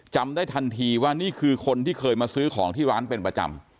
จำได้ทันทีว่านี่คือคนที่เคยมาซื้อของที่ร้านเป็นประจำ